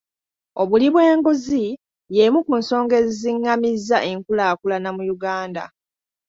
Obuli bw'enguzi y'emu ku nsonga ezizingamizza enkulaakulana mu Uganda.